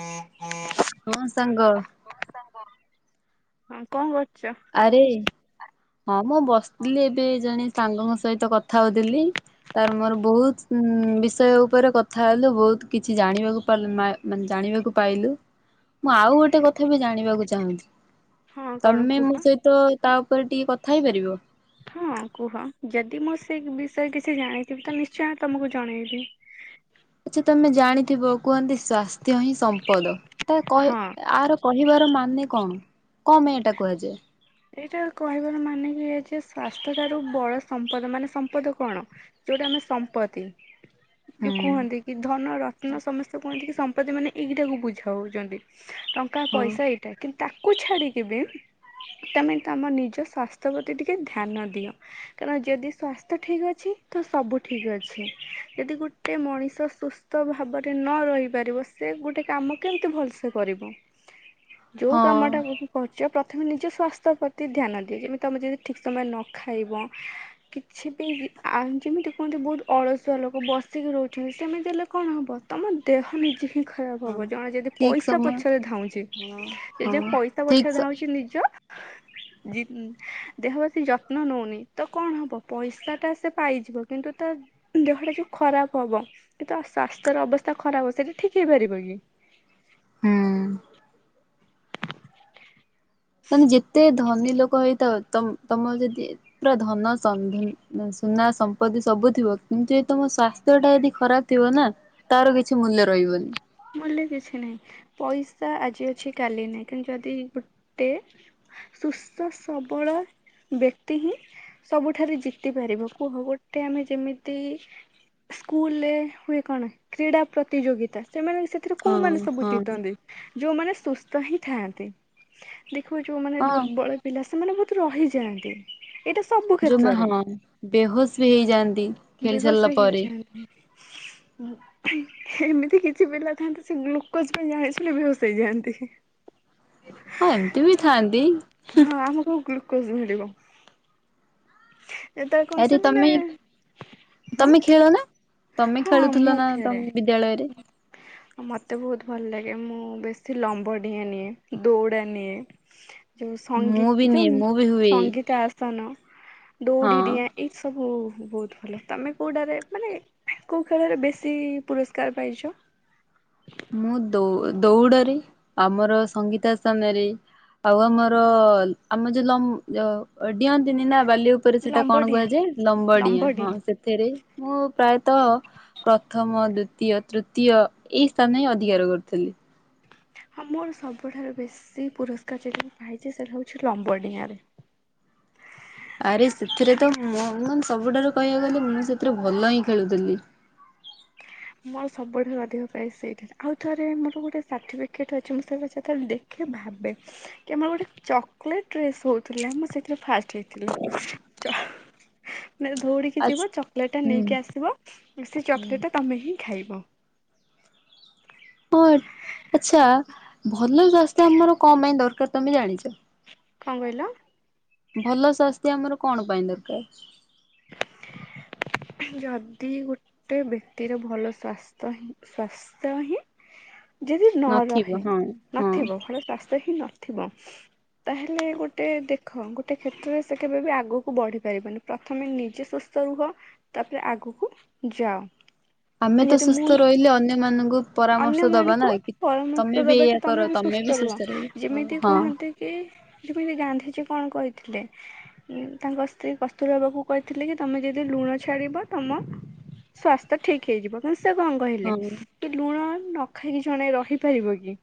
ଉଁ ଉଁ। ହଁ ସାଙ୍ଗ। ହଁ କଣ କରୁଚ? ଆରେ ହଁ ମୁଁ ବସିଥିଲି ଏବେ ଜଣେ ସାଙ୍ଗଙ୍କ ସହିତ କଥା ହୋଉଥିଲି। ତାର ମୋର ବୋହୁତ୍ ଉଁ ବିଷୟ ଉପରେ କଥା ହେଲୁ ବହୁତ୍ କିଛି ଜାଣିବାକୁ ପାରିଲୁ ମା ମାନେ ଜାଣିବାକୁ ପାଇଲୁ ମୁଁ ଆଉ ଗୋଟେ କଥା ବି ଜାଣିବାକୁ ଚାହୁଁଛି। ହଁ କଣ ତମେ କୁହ? ମୋ ସହିତ ତା ଓପରେ ଟିକେ କଥା ହେଇପାରିବ। ହଁ କୁହ ଯଦି ମୁଁ ସେ ବିଷୟରେ କିଛି ଜାଣିଥିବି ତ ନିଶ୍ଚୟ ତମୁକୁ ଜଣେଇବି। ଆଚ୍ଛା ତମେ ଜାଣିଥିବ କୁହନ୍ତି ସ୍ଵାସ୍ଥ୍ୟ ହିଁ ସମ୍ପଦ ତା କହ ହଁ। ଆର କହିବାର ମାନେ କଣ କଁ ମାଇଁ ଏଟା କୁହାଯାଏ? ଏଇଟା କହିବାର ମାନେ କି ଏୟା ଯେ ସ୍ଵାସ୍ଥ୍ୟ ଠାରୁ ବଡ ସମ୍ପଦ ମାନେ ସମ୍ପଦ କଣ? ଯୋଉଟା ଆମେ ସମ୍ପତ୍ତି। ଯୋଉ ହୁଁ କୁହନ୍ତି କି ଧନ ରତ୍ନ ସମସ୍ତେ କୁହନ୍ତି କି ସମ୍ପତ୍ତି ମାନେ ଏଇଟାକୁ ବୁଝାଉଚନ୍ତି। ଟଙ୍କା, ହଁ ପଇସା ଏଇଟା କିନ୍ ତାକୁ ଛାଡିକି ବି ତମେ ତମ ନିଜ ସ୍ୱାସ୍ଥ୍ୟ ପ୍ରତି ଟିକେ ଧ୍ୟାନ ଦିଅ। କାରଣ ଯଦି ସ୍ଵାସ୍ଥ୍ୟ ଠିକ ଅଛି ତ ସବୁ ଠିକ ଅଛି ଯଦି ଗୋଟେ ମଣିଷ ସୁସ୍ ତ ଭାବରେ ନ ରହିପାରିବ ସେ ଗୋଟେ କାମ କେମିତି ଭଲସେ କରିବ। [inaudible] ଯୋଉ କାମଟା ଭି କରୁଚେ ପ୍ରଥମେ ନିଜ ସ୍ୱାସ୍ଥ୍ୟ ପ୍ରତି ଧ୍ୟାନ ଦିଏ ଯେମି ତମେ ଯଦି ଠିକ୍ ସମୟ ରେ ନ ଖାଇବ କିଛି ବି ଆ ଯେମିତି କୁହନ୍ତି ବହୁତ ଅଳସୁଆ ଲୋକ ବସିକି ରହୁଛନ୍ତି ସେମିତି ହେଲେ କଣ ହବ? ତମ ଦେହ ନିଜେ ହିଁ ଖରାପ ହଁ ହବ ଜଣେ ଯଦି ଠିକ ପଇସା ସମୟ ପଛରେ ଧାଉଁଚି ହଁ ହଁ [unintelligible] ପଇସା ଠିକ୍ ପଛରେ ସ ଧାଉଁଛି ନିଜ [unintelligible] ଜି ଦେହବେଶୀ ଯତ୍ନ ନଉନି ତ କଣ ହବ ପଇସା ଟା ସେ ପାଇଯିବ କିନ୍ତୁ ତା ଦେହଟା ଯୋଉ ଖରାପ ହବ କି ତ ସ୍ଵାସ୍ଥ୍ୟର ଅବସ୍ଥା ଖରାପ ହବ ସେଇଟା ଠିକ ହେଇପାରିବ କି? ହୁଁ। ତମେ ଯେତେ ଧନୀ ଲୋକ ହେଇଥାଅ ତମ ତମ ଯଦି ପୁରା ଧନ ସନ ଧନ ସୁନା ସମ୍ପତ୍ତି ସବୁ ଥିବ କିନ୍ତୁ ଯଦି ତମ ସ୍ଵାସ୍ଥ୍ୟ ଟା ଯଦି ଖରାପ ଥିବ ନା ତାର କିଛି ମୂଲ୍ୟ ରଇବନି। ମୂଲ୍ୟ କିଛି ନାହିଁ ପଇସା ଆଜି ଅଛି କାଲି ନାଇ କିନ୍ତୁ ଯଦି ଗୋଟେ ସୁସ୍ଥ ସବଳ ବ୍ୟକ୍ତି ହିଁ ସବୁଠାରୁ ଜିତି ପାରିବ କୁହ ଗୋଟେ ଆମେ ଯେମିତି ସ୍କୁଲରେ ହୁଏ କଣ କ୍ରୀଡ଼ା ପ୍ରତିଯୋଗିତା ସେମାନେ ସେ ଥିରେ ହଁ କୋଉମାନେ ସବୁ ହଁ। ଜିତନ୍ତି। ଯୋଉମାନେ ସୁସ୍ଥ ହିଁ ଥାଆନ୍ତି ଦେଖୁବ ଯୋଉମାନେ ହଁ ଦୁର୍ବଳ ପିଲା ସେମାନେ ବହୁତ ରହିଯାଆନ୍ତି। ଏଇଟା ସବୁ ଯୋଉମାନେ କ୍ଷେତ୍ରରେ ହଁ ବେହୋସ୍ ବି ହେଇଯାଆନ୍ତି ଖେଳି ବେହସ ସାରିଲା ପରେ। ହେଇଯାନ୍ତି। ଏମିତି କି କିଛି ପିଲା ଥାଆନ୍ତି ସେ ଗ୍ଲୁକୋଜ ପାଇଁ ଜାଣି ଶୁଣି ବେହୋସ ହେଇଯାଆନ୍ତି। ହଁ ଏମିତି ବି ଥାଆନ୍ତି ହୁଁ। ହଁ ଆମକୁ ଗ୍ଲୁ କୋଜ୍ ମିଳିବ। ଯେତେବେଳେ କଣ ଆରେ ସେମାନେ ତମେ ହଁ ତମେ ଖେଳ ନା। ତମେ ହଁ ଖେଳୁଥିଲ ମୁଁ ନା ତମ ଖେଳେ। ବିଦ୍ୟାଳୟରେ। ମତେ ବହୁତ ଭଲ ଲାଗେ ମୁଁ ବେଶୀ ଲମ୍ବ ଡିଆଁ ନିଏ ଦୌଡ଼ା ନିଏ। [inaudible] ଯୋଉ ମୁଁ ବି ନିଏ ସଙ୍ଗୀତମ୍ ମୁଁ ବି ହୁଏ ସଙ୍ଗୀତ ଆସ ସନ ଦୌଡି ହଁ। ଡିଆଁ ଏ ସବୁ ବହୁତ ଭଲ ତମେ କୋଉଟାରେ ମାନେ କୋଉ ଖେଳରେ ବେଶୀ ପୁରସ୍କାର ପାଇଚ। ମୁଁ ଦୌ ଦୌଡ଼ରେ ଆମର ସଙ୍ଗୀତ ଆସନ ରେ। ଆଉ ଆମର ଆମ ଯୋଉ ଲମ୍ବ ଯଉ ଡିଅନ୍ତିନି ନା ବାଲି ଉପ ଉପରେ ସେଟା କଣ ଲମ୍ବଡିିଆଁ କୁହାଯାଏ ଲମ୍ବ ଡିଆଁ ହଁ ଲମ୍ବଡିିଆଁ ସେ ଥିରେ ମୁଁ ପ୍ରାୟତଃ ପ୍ରଥମ ଦ୍ୱିତୀୟ ତୃତୀୟ ଏଇ ସ୍ଥାନ ହିଁ ଅଧିକାର କରୁଥିଲି। ହଁ ମୋର ସବୁଠାରୁ ବେଶୀ ପୁରସ୍କାର ଯେଟା ମୁଁ ପାଇଛି ସେରା ହେଉଛି ଲମ୍ବ ଡିଆଁରେ। ଆରେ ସେଥିରେ ତ ମୁଁ ମୁଁ ସବୁଠାରୁ କହିବାକୁ ଗଲେ ମୁଁ ସେଥିରେ ଭଲ ହିଁ ଖେଳୁଥିଲି। ମୋର ସବୁଠାରୁ ଅଧିକ ପ୍ରାଇଜ ସେଇଠିରେ ଆଉ ଥରେ ମୋର ଗୋଟେ ସାର୍ଟିଫିକେଟ୍ ଅଛି ମୁଁ ସେଗୁ ସେତେଳେ ଦେ ଖେ ଭାବେ କି ଆମର ଗୋଟେ ଚକୋଲେଟ୍ ରେସ୍ ହଉଥିଲା ମୁଁ ସେଥିରେ ଫାଷ୍ଟ ଟି ହେଇଥିଲି ଚ ମାନେ ଧଉଡିକି ଆଛ୍ ଯିବ ଚକୋଲେଟ ଟା ହୁଁ ନେଇକି ଆସିବ ସେ ଚକୋଲେଟ ଟା ତମେ ହିଁ ଖାଇବ। ବଟ୍ ଆଚ୍ଛା ଭଲ ସ୍ୱାସ୍ଥ୍ୟ ଆମର କ ପାଇଁ ଦରକାର ତମେ ଜାଣିଚ। କ କହିଲ? ଭଲ ସ୍ୱାସ୍ଥ୍ୟ ଆମର କଣ ପାଇଁ ଦରକାର। ଯଦି ଗୋଟେ ବ୍ୟକ୍ତିର ଭଲ ସ୍ୱାସ୍ଥ୍ୟ ହିଁ ସ୍ୱାସ୍ ସ୍ତ ହିଁ ଯଦି ନ ନଥିବ ରହେ ହଁ ହଁ ନଥିବ ଭଲ ସ୍ବାସ୍ଥ୍ୟ ହିଁ ନଥିବ। ତାହେଲେ ଗୋଟେ ଦେଖ ଗୋଟେ କ୍ଷେତ୍ରରେ ସେ କେବେ ବି ଆଗକୁ ବଢି ପାରିବନି। ପ୍ରଥମେ ନିଜେ ସୁସ୍ଥ ରୁହ ତାପରେ ଆଗକୁ ଯାଅ। ଆମେ ତ ଯଦି ମୁଁ ସୁସ୍ଥ ରହିଲେ ଅନ୍ୟ ମାନଙ୍କୁ ପରାମର୍ଶ ଦବା ଅନ୍ୟମାନଙ୍କୁ ନା କି ତମେ ପରାମର୍ଶ ବି ଦେବା କି ଏଇଆ କର ତମେ ବି ରୁହ ସୁସ୍ଥ ରହିବ ଯେମିତି ହଁ। କୁହନ୍ତି କି [inaudible] ଗାନ୍ଧିଜୀ କଣ କହିଥିଲେ। ଉ ତାଙ୍କ ସ୍ତ୍ରୀ କସ୍ତୁରବାକୁ କହିଥିଲେ କି ତମେ ଯଦି ଲୁଣ ଛାଡିବ ତମ ସ୍ଵାସ୍ଥ୍ୟ ଠିକ ହେଇଯିବ। କିନ୍ତୁ ସେ କଣ କହିଲେ ହଁ ତ ଲୁଣ ନ ଖାଇକି ଜଣେ ରହିପାରିବ କି?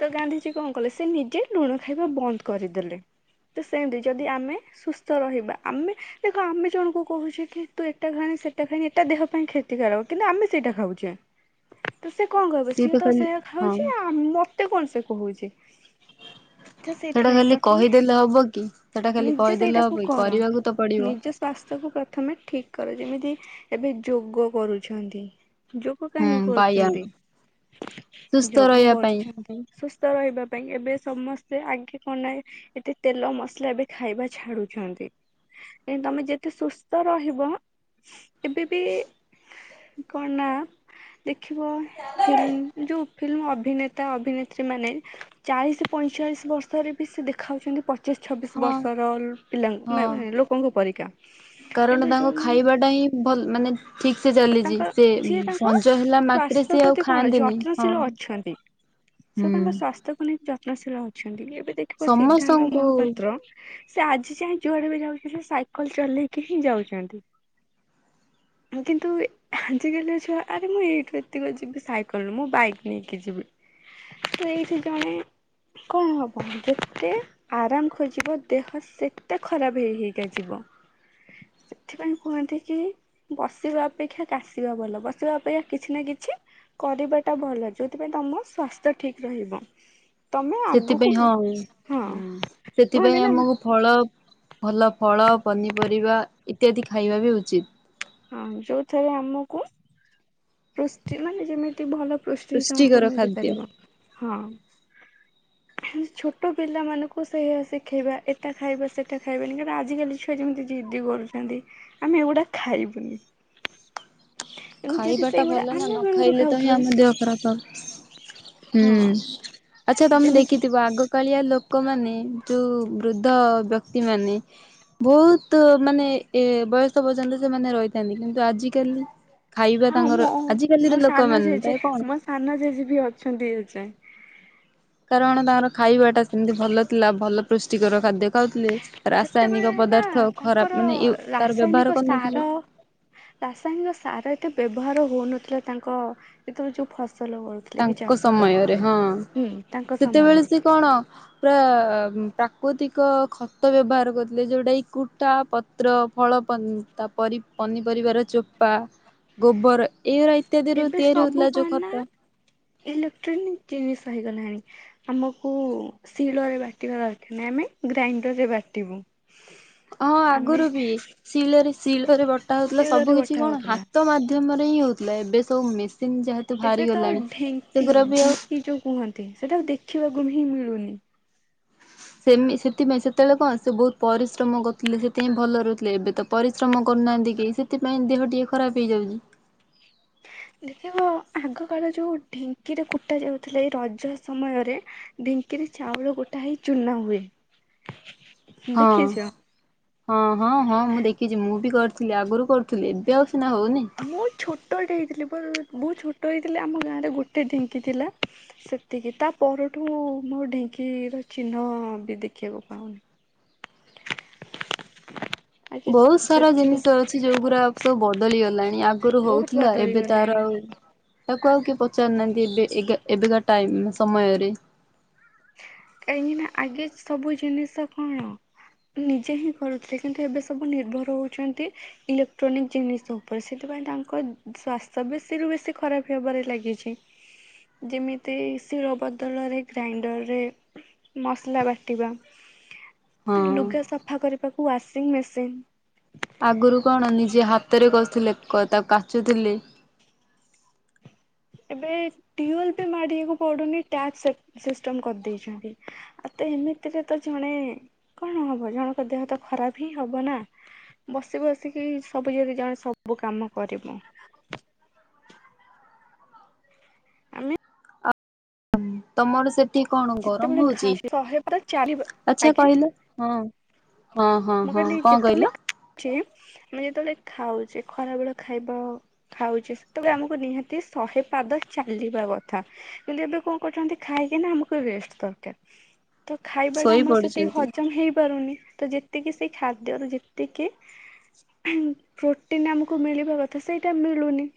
ତ ଗାନ୍ଧିଜୀ କଣ କଲେ ସେ ନିଜେ ଲୁଣ ଖାଇବା ବନ୍ଦ କରିଦେଲେ। ତ ସେମିତି ଯଦି ଆମେ ସୁସ୍ଥ ରହିବା ଆମେ ଦେଖ ଆମେ ଜଣଙ୍କୁ କହୁଛେ କି? ତୁ ଏଟା ଖାନି ସେଟା ଖାନି ଏଟା ଦେହ ପାଇଁ କ୍ଷତିକାରକ କିନ୍ତୁ ଆମେ ସେଇଟା ଖାଉଛେ। ତ ସେ କଣ କହିବ ସିଏ ତ ସେଇଆ ଖାଉଛି ମତେ କଣ ସେ କହୁଛି। ତ ସେଇଟା ସେଇଥିପାଇଁ ଖାଲି ପ୍ରଥମେ କହିଦେଲେ ହବ କି ସେଟା ଖାଲି ନିଜେ କହିଦେଲେ ହବ କି କରିବାକୁ ତ ପଡିବ। ସ୍ଵାସ୍ଥ୍ୟକୁୁ ପ୍ରଥମେ ଠିକ କର ଯେମିତି ଏବେ ଯୋଗ କରୁଛନ୍ତି। ଯୋଗ ହୁଁ କାହିଁକି ବ୍ୟାୟାମ କରୁଛନ୍ତି ସୁସ୍ଥ ଯୋଗ ରହିବା ପାଇଁ କରୁଛନ୍ତି ସୁସ ସ୍ଥ ରହିବା ପାଇଁ ଏବେ ସମସ୍ତେ ଆଗେ କଣ ନା? ଏତେ ତେଲ ମସଲା ଏବେ ଖାଇବା ଛାଡୁଛନ୍ତି। ନାଇଁ ତମେ ଯେତେ ସୁସ୍ଥ ରହିବ ଏବେ ବି କଣ ନା? ଦେଖିବ ଫିଲ୍ମ ଯୋଉ ଫିଲ୍ମ ଅଭିନେତା ଅଭିନେତ୍ରୀ ମାନେ ଚାଳିଶ ପଇଁଚାଳିଶ ବର୍ଷରେ ବି ସେ ଦେଖାଉଛନ୍ତି ପ ପଚିଶ ଛବିଶ ହଁ ବର୍ଷର ପିଲା ହଁ ଲୋକଙ୍କ ପରିକା। କାରଣ କିନ୍ତୁ ତାଙ୍କ ଯୋଉଁମାନେ ଖାଇବାଟା ହିଁ ଭଲ ମାନେ ଠିକ ସେ ଚାଲିଛି। ତାଙ୍କର ସେ ସିଏ ତାଙ୍କ ସଞ୍ଜ ହେଲା ମାତ୍ରେ ସ୍ୱାସ୍ଥ୍ୟ ସିଏ ଆଉ ପ୍ରତି କଣ ଖାଆନ୍ତିନି ହଁ। ଯତ୍ନଶୀଳ ହୁଁ। ତାକୁ ନେଇ ଯତ୍ନଶୀଳ ଅଛନ୍ତି। ଏବେ ଦେଖିବ ସିଦ୍ଧାନ୍ତ ସମସ୍ତଙ୍କୁ ମହାପାତ୍ର? ସେ ଆଜି ଯାଏ ଯୁଆଡେ ବି ଯାଉଛନ୍ତି ସେ ସାଇକେଲ ଚଲେଇକି ହିଁ ଯାଉଛନ୍ତି। [unintelligible] ତୁ ଆଜିକାଲିକା ଛୁଆ ଆରେ ମୁଁ ଏଇଠୁ ଏତିକ ଯିବି ସାଇକେଲରୁୁ ମୁଁ ବାଇକ ନେଇକି ଯିବି। ସେ ଏଇଠି ଜଣେ କଣ ହବ ଯେତେ ଆରାମ ଖୋଜିବ ଦେହ ସେତେ ଖରାପ ହେଇ ହେଇକା ଯିବ। ସେଥିପାଇଁ କୁହନ୍ତି କି ବସିବା ଅପେକ୍ଷା କାଶିବା ଭଲ ବସିବା ଅପେକ୍ଷା କିଛି ନା କିଛି କରିବାଟା ଭଲ ଯେଉଁଥିପାଇଁ ତମ ସ୍ୱାସ୍ଥ୍ୟ ଠିକ ରହିବ। ତମେ ଆଗକୁ ସେଥିପାଇଁ ହଁ ହୁଁ ହଁ କୁହନ୍ତି ସେଥିପାଇଁ ନା ଆମକୁ ଫଳ ଭଲ ଫଳ, ପନିପରିବା ଇତ୍ୟାଦି ଖାଇବା ବି ଉଚିତ୍। ହଁ ଯୋଉଥରେ ଆମକୁ ପୃଷ୍ଟି ମାନେ ଯେମିତି ଭଲ ପୃଷ୍ଟି ତମକୁ ପୁଷ୍ଟିକର ଖାଦ୍ୟ। ମିଳିପାରିବ। ହଁ। ଛୋଟ ପିଲାମାନଙ୍କୁ ସେଇଆ ଶିଖେଇବା ଏଟା ଖାଇବା ସେଇଟା ଖାଇବାନି କାରଣ ଆଜିକାଲି ଛୁଆ ଯେମିତି ଜିଦ୍ଦି କରୁଛନ୍ତି ଆମେ ଏଗୁଡା ଖାଇବୁନି। ଏମିତି ଯଦି ଟା ସେଇଗୁଡା ଭଲ ନା ଆମେ ନ ବେଳରୁ ଖାଇଲେ ତ ହିଁ ଖାଉଥିବା ଆମ ଦେହ ଖରାପ ହବ? ହୁଁ ହଁ ଆଚ୍ଛା ତମେ ଯେମିତି ଦେଖିଥିବ ଆଗ ଆଗକାଳିଆ ଲୋକମାନେ ଯୋଉ ବୃଦ୍ଧ ବ୍ୟକ୍ତିମାନେ ବହୁତ ମାନେ ଏ ବୟସ ପର୍ଯ୍ୟନ୍ତ ସେମାନେ ରହିଥାନ୍ତି। କିନ୍ତୁ ଆଜିକାଲି ଖାଇବା ହଁ ତାଙ୍କର ମୋ ଆଜିକାଲିର ମୋ ସାନ ଲୋକମାନେ ଜେଜେ ତ କଣ ମୋ ସାନ ଜେଜେ ବି ଅଛନ୍ତି ଏ ଯାଏଁ। କାରଣ ତାଙ୍କର ଖାଇବାଟା ସେମିତି ଭଲ ଥିଲା ଭଲ ପୁଷ୍ଟିକର ଖାଦ୍ୟ। ଖାଉଥିଲେ ସେତେବେଳେ ରାସାୟନିକ ନା ପଦାର୍ଥ ତାଙ୍କର ଖରାପ ମାନେ ତାର ରାସାୟନିକ ବ୍ୟବହାର କରୁନଥିଲେ। ସାର ରାସାୟନିକ ସାର ଏତେ ବ୍ୟବହାର ହଉନଥିଲା ତାଙ୍କ ଯେତେବେଳେ ଯେଉଁ ଫସଲ ବେଳକୁ ତାଙ୍କ ସମୟରେ ହଁ ତାଙ୍କ ସେତେବେଳେ ସମୟରେ ସେ କଣ ପୁରା ପ୍ରାକୃତିକ ଖତ ବ୍ୟବହାର କରୁଥିଲେ ଯେଉଁଟା କି କୁଟା ପତ୍ର ପତ୍ର ଫଳ ପନିପରିବାର ଚୋପା ଗୋବର ଏଇଗୁାଡ଼ା ଇତ୍ୟାଦିରୁ ତିଆରି ହେଉଥିଲା ଯେଉଁ ଖତ ଇଲେକ୍ଟ୍ରୋନିକ୍ ଜିନିଷ ହୋଇଗଲାଣି ଆମକୁ ଶିଳରେ ବାଟିବା ଦରକାର ନାହିଁ ଆମେ ଗ୍ରାଇଣ୍ଡରରେ ବାଟିବୁ। ହଁ ଆମେ ଆଗରୁ ବି ଶିଳରେ ଶିଳରେ ବଟା ହେଉଥିଲା ଶିଳରେ ସବୁକିଛି ବଟା କଣ ହା ହଉଥିଲା ହାତ ମାଧ୍ୟମରେ ହିଁ ହେଉଥିଲା ଏବେ ସବୁ ମେସିନ୍ ଯା ଏବେ ତ ଆଉ ଢିଙ୍କି ଢିଙ୍କି ଯେଉଁ କୁହନ୍ତି ସେଟା ଦେଖିବାକୁ ହିଁ ମିଳୁନି ସେମି ସେଥିପାଇଁ ସେତେବେଳେ କଣ ସେ ବହୁତ ପରିଶ୍ରମ କରୁଥିଲେ ସେଥିପାଇଁ ଭଲ ରହୁଥିଲେ ଏବେ ତ ପରିଶ୍ରମ କରୁନାହାନ୍ତି କେହି ସେଥିପାଇଁ ଦେହ ଟିକେ ଖରାପ ହୋଇଯାଉଛି ଦେଖିବ ଆଗକାଳ ଯେଉଁ ଢିଙ୍କିରେ କୁଟା ଯାଉଥିଲା ଏ ରଜ ସମୟରେ ଢିଙ୍କିରେ ଚାଉଳ କୁଟା ହେଇ ଚୁନା ହୁଏ ହଁ। ଦେଖିଛ? ହଁ ହଁ ହଁ ମୁଁ ଦେଖିଛି ମୁଁ ବି କରିଥିଲି ଆଗରୁ କରୁଥିଲି ଏବେ ଆଉ ସିନା ହେଉନି ମୁଁ ଛୋଟଟେ ହେଇଥିଲି ପା ବହୁତ ଛୋଟ ହେଇଥିଲି ଆମ ଗାଁରେ ଗୋଟେ ଢିଙ୍କି ଥିଲା ସେତିକି ତା ପରଠୁ ମୁଁ ଢିଙ୍କିର ଚିହ୍ନ ବି ଦେଖିବାକୁ ପାଉନି ଆଗେ ବହୁତ ସାରା ସେଥିରେ ଜିନିଷ ଅଛି ଯେଉଁଗୁଡ଼ା ସବୁ ବଦଳି ଗଲାଣି ଆଗରୁ ବହୁତ ହେଉଥିଲା ବଦଳି ଏବେ ଗଲାଣି। ତାର ଆଉ ତାକୁ ଆଉ କିଏ ପଚାରୁନାହାନ୍ତି ଏବେ ଏବେକା ଟାଇମ ସମୟରେ କାହିଁକି ନା ଆଗେ ସବୁ ଜିନିଷ କଣ ନିଜେ ହିଁ କରୁଥିଲେ କିନ୍ତୁ ଏବେ ସବୁ ନିର୍ଭର ହେଉଛନ୍ତି। ଇଲେକ୍ଟ୍ରୋନିକ ଜିନିଷ ଉପରେ ସେଥିପାଇଁ ତାଙ୍କ ସ୍ୱାସ୍ଥ୍ୟ ବେଶୀରୁୁ ବେଶୀ ଖରାପ ହେବାରେ ଲାଗିଛି। ଯେମିତି ଶିଳ ବଦଳରେ ଗ୍ରାଇଣ୍ଡର ରେ ମସଲା ବାଟିବା ହଁ। ଲୁଗା ସଫା କରିବାକୁ ୱାସିଂ ମେସିନ୍ ଆଗରୁ କଣ ନିଜେ ହାତରେ କଷୁଥିଲେ ତାକୁ କାଚୁଥିଲେ ଏବେ ଟିଓଲ ବି ମାାରିବାକୁ ପଡୁନି ଟାକ୍ସ ସିଷ୍ଟମ କରିଦେଇଛନ୍ତି। ଆଉ ତ ଏମିତିରେ ତ ଜଣେ କଣ ହବ ଜଣଙ୍କ ଦେହ ତ ଖରାପ ହିଁ ହେବ ନା ବସି ବସିକି ସବୁ ଯଦି ଜଣେ ସବୁ କାମ କରିବ। [inaudible] ଆମେ ତମର ସେ ସେଠି କଣ ଗରମ ଯେତେବେଳେ ହଉଛି ଖାଉଛେ ଶହେ ବାର ଚାରିବା ଆଚ୍ଛା ଆଜ୍ଞା କହିଲ ହଁ ହଁ ହଁ ମୁଁ ହଁ କହିଲି କଣ ଯେତେବେଳେ କହିଲ? ଆମେ ଯେତେବେଳେ ଖାଉଛେ ଖରାବେଳେ ଖାଇବା ଖାଉଛେ ସେତେବେଳେ ଆମକୁ ନିହାତି ଶହେ ପାଦ ଚାଲିବା କଥା କିନ୍ତୁ ଏବେ କଣ କରୁଛନ୍ତି ଖାଇକି ନା ଆମେ ରେଷ୍ଟ ଦରକାର ତ ଖାଇବାଟା ଶୋଇ ଆମର ସେତିକି ପଡୁଛନ୍ତି ହଜମ ହେଇପାରୁନି ତ ଯେତିକି ସେଇ ଖାଦ୍ୟରୁ ଯେତିକି ପ୍ରୋଟିନ୍ ଆମକୁ ମିଳିବା କଥା ସେଇଟା ମିଳୁନି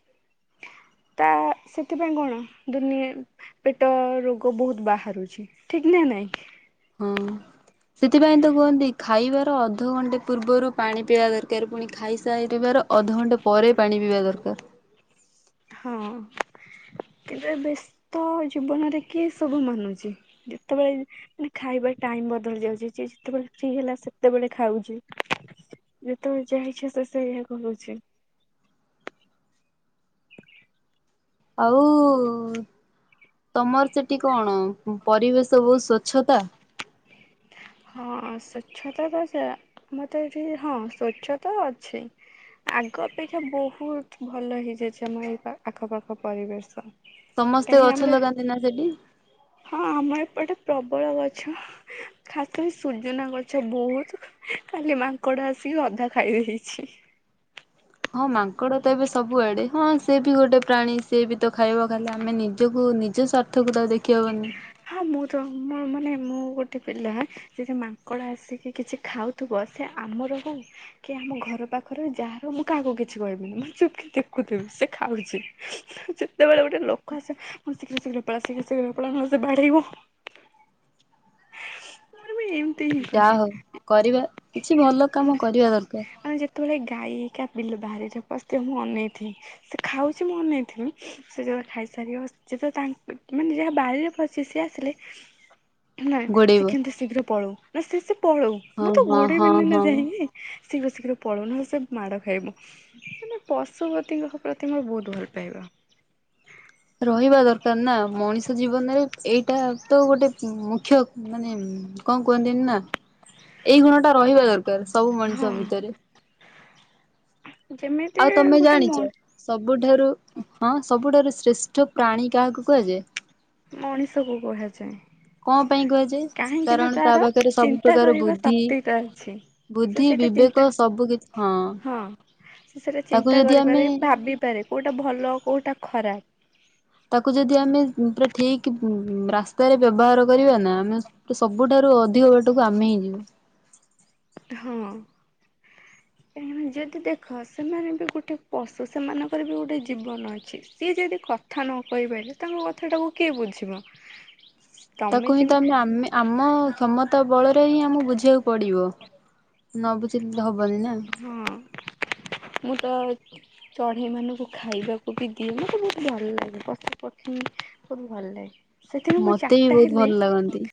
ତା ସେଥିପାଇଁ କଣ ଦୁନିଆ ପେଟରୋଗ ବହୁତ ବହୁତ ବାହାରୁଛି। ବାହାରୁଛି ଠିକ୍ ନା ନାଇଁ ହଁ। ସେଥିପାଇଁ ତ କୁହନ୍ତି ଖାଇବାର ଅଧଘଣ୍ଟେ ପୂର୍ବରୁ ପାଣି ପିଇବା ଦରକାର ଫୁଣି ଖାଇସାରିବାର ଅଧଘଣ୍ଟେ ପରେ ପାଣି ପିଇବା ଦରକାର। ହଁ କେବେ ବେଶ ତ ଜୀବନରେ କିଏ ସବୁ ମାନୁଚି ଯେତେବେଳେ ଖାଇବା ଟାଇମ୍ ବଦଳି ଯାଉଚି ଯିଏ ଯେତେବେଳେ ଫ୍ରି ହେଲା ସେତେବେଳେ ଖାଉଚି। ଯେତେବେଳେ ଯାହା ଇଚ୍ଛା ସେ ସେଇଆ କରୁଛି। ଆଉ ତମର ସେଠି କଣ ପରିବେଶ ବୋହୁତ ସ୍ଵଚ୍ଛତା? ହଁ ସ୍ୱଚ୍ଛତା ତ ଯା ମଁ ତ ଏଇଠି ହଁ ସ୍ଵଚ୍ଛତା ଅଛି। ଆଗ ଅପେକ୍ଷା ବୋହୁତ ଭଲ ହେଇଯାଇଚି। ଆମ ଏଇ ପା ଆଖ ପାଖ ପରିବେଶ। ସମସ୍ତେ କାହିଁକିନା ଗଛ ଆମର ଲଗାନ୍ତି ନା ସେଠି? ହଁ ଆମ ଏପଟେ ପ୍ରବଳ ଗଛ। ଖାସ୍ କରିକି ସୁଯୁନା ଗଛ ବୋହୁତ କାଲି ମାଙ୍କଡ ଆସିକି ଅଧା ଖାଇ ଦେଇଛି। ହଁ ମାଙ୍କଡ ତ ଏବେ ସବୁଆଡେ ହଁ। ସେଏ ବି ଗୋଟେ ପ୍ରାଣୀ ସିଏ ବି ତ ଖାଇବ ଖାଲି ଆମେ ନିଜକୁ ନିଜ ସ୍ଵା ର୍ଥ କୁ ତ ଆଉ ଦେଖିହବନି। ହା ମୁଁ ତ ମୁଁ ମାନେ ମୁଁ ଗୋଟେ ପିଲା ସେଇ ମାଙ୍କଡ ଆସିକି କିଛି ଖାଉଥିବ ସେ ଆମର କଣ କି ଆମ ଘର ପାଖରେ ଯାହାର ମୁଁ କାହାକୁ କିଛି କହିବିନି। ମୁଁ ଚୁପକି ଦେଖୁଥିବି ସେ ଖାଉଚି। [unintelligible] ଯେତେବେଳେ ଗୋଟେ ଲୋକ ଆସେ। ମୁଁ ଶିଘ୍ର ଶିଘ୍ର ପଳା ଶିଘ୍ର ଶିଘ୍ର ପଳା ନହେଲେ ବାଢେଇବ ମର ବି ହିଁ ଯାହା କହେ। ହୋଉ କରିବା କିଛି ଭଲ କାମ କରିବା ଦରକାର ମାନେ ଯେତେବେଳେ ଗାଈ ଇକା ବିଲ ବାହାରେ ଯୋଉ ପସିଥିବେ ମୁଁ ଅନେଇଥିବି। ସେ ଖାଉଚି ମୁଁ ଅନେଇଥିମି। ସେ ଯେବେ ଖାଇସାରିବ ଯେତେବେଳେ ତାଙ୍କ ମାନେ ଯାହା ବାରିରେ ପସି ସିଏ ଆସିଲେ ନା ସେ ଗୋଡେଇବ। କେମିତି ଶୀଘ୍ର ପଳଉ ନା ସେ ସେ ପଳଉ। ହଁ ମୁଁ ତ ହଁ ହଁ ଗୋଡୋଇବିନି ନା ହଁ। ଯାଇଁକି। ଶୀଘ୍ର ଶୀଘ୍ର ପଳ‌ଉ ସେ ମାଡ ଖାଇବୁ। ମାନେ ପଶୁପତିଙ୍କ ପ୍ରତି ମୋର ବୋହୁତ ଭଲ ପାଇବା। ରହିବା ଦରକାର ନା ମଣିଷ ଜୀବନରେ ଏଇଟା ତ ଗୋଟେ ମୁଖ୍ୟ ମାନେ କଣ କୁହନ୍ତିନି ନା ଏଇ ଗୁଣଟା ରହିବା ଦରକାର ସବୁ ହଁ ମଣିଷ ଭିତରେ ଯେମିତି ଆଉ ତମେ ଗୋଟେ ମ ଜାଣିଚ। ସବୁଠାରୁ ହଁ ସବୁଠାରୁ ଶ୍ରେଷ୍ଠ ପ୍ରାଣୀ କାହାକୁ କୁହାଯାଏ? ମଣିଷ କୁ କୁହାଯାଏ। କଣ ପାଇଁ କୁହାଯାଏ? କାହିଁକି ନା କାରଣ ତା ତାର ପାଖରେ ସବୁ ଚିନ୍ତା ପ୍ରକାର କରିବା ବୁଦ୍ଧି ଶକ୍ତିଟା ଅଛି। ସେ ବୁଦ୍ଧି ସେଇଟା ବିବେକ ଚିନ୍ତା ସବୁ କିଛି ହଁ ସେ ସେଇଟା ତାକୁ ଚିନ୍ତା ଯଦି ଆମେ କରିପାରେ ଭାବି ପାରେ କୋଉଟା ଭଲ କୋଉଟା ଖରାପ ତାକୁ ଯଦି ଆମେ ପୁରା ଠିକ୍ ରାସ୍ତାରେ ବ୍ୟବହାର କରିବା ନା ଆମେ ସବୁଠାରୁ ଅଧିକ ବାଟକୁ ଆମେ ହିଁ ଯିବୁ। ହଁ। ହ କାହିଁକିନା ଯଦି ଦେଖ ସେମାନେ ବି ଗୋଟେ ପଶୁ। ସେମାନଙ୍କର ବି ଗୋଟେ ଜୀବନ ଅଛି। ସିଏ ଯଦି କ ଥା ନ କହିପାରିଲେ ତାଙ୍କ କଥାଟାକୁ କିଏ ବୁଝିବ। ତାକୁ ହିଁ ତମେ ଆମେ ଆମ କ୍ଷମତା ବଳରେ ହିଁ ଆମକୁ ବୁଝେଇକୁ ପଡିବ ନ ବୁଝିଲି ତ ହବନି ନା ହଁ ମୁଁ ତ ଚଢ଼େଇମାନଙ୍କୁ ଖାଇବାକୁ ବି ଦିଏ ମୋତେ ବହୁତ ଭଲ ଲାଗେ ପଶା ପକ୍ଷେଇ ବହୁତ ଭଲ ଲାଗେ ସେଥିରୁ ମୁ ମତେ ବି ଚାରିଟା ବହୁତ ହେଲେ ଭଲ ଲାଗନ୍ତି।